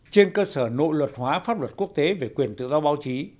trên cơ sở nội luật hóa pháp luật quốc tế về quyền tự do báo chí